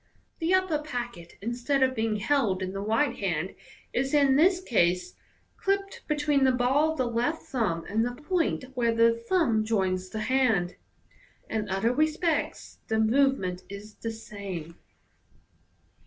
The upper packet, instead of being held in the right hand, is in this case clipped between the ball of the left thumb and the point where the thumb joins the hand. In other respects the movement is the same.